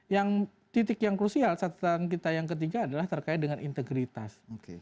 yang titik yang krusial catatan kita yang ketiga adalah terkait dengan integritas